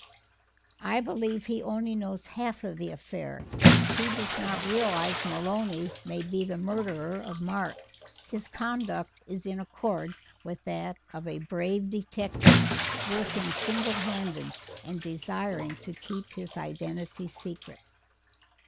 _ I believe he only knows half of the affair; he does not realize Maloney may be the murderer of Mark his conduct is in accord with that of a brave detective working single handed and desiring to keep his identity secret."